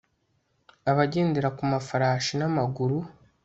Abagendera ku mafarashi namaguru